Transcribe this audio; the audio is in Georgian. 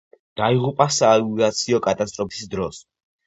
დაიღუპა საავიაციო კატასტროფის დროს.